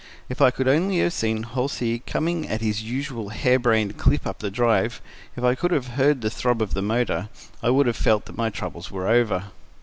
If I could only have seen Halsey coming at his usual hare brained clip up the drive, if I could have heard the throb of the motor, I would have felt that my troubles were over.